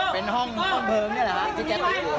เป็นห้องเบิร์งนี่แหละครับที่จะติดอยู่